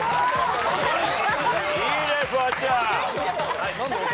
いいねフワちゃん。